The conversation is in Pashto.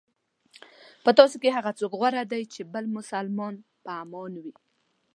په تاسو کې هغه څوک غوره دی چې بل مسلمان په امان وي.